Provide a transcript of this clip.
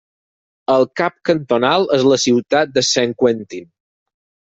El cap cantonal és la ciutat de Saint-Quentin.